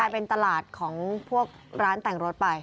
เป็นตลาดของพวกร้านแต่งรถไป